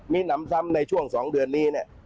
มีหนำซ้ำในช่วง๒เดือนนี้เนี่ย